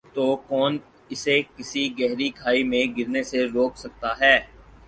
تو کون اسے کسی گہری کھائی میں گرنے سے روک سکتا ہے ۔